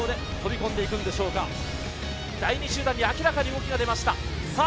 第２集団に明らかに動きが出ました。